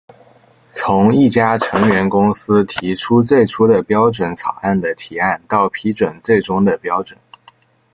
从一家成员公司提出最初的标准草案的提案到批准最终的标准。